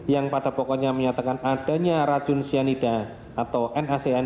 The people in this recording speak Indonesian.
yang pada pokoknya menyatakan adanya racun cyanida atau nacn